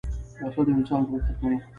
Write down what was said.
وسله د یوه انسان ژوند ختموي